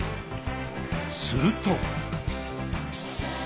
すると。